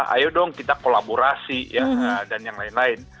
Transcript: ayo dong kita kolaborasi dan yang lain lain